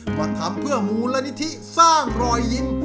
ก็ทำเพื่อมูลนิธิสร้างรอยยิ้ม